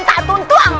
tak pun tuang